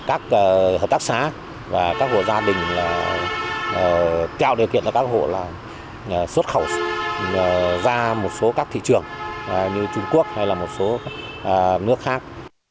các hợp tác xá và các hộ gia đình trao điều kiện cho các hộ xuất khẩu ra một số các thị trường như trung quốc hay là một số nước khác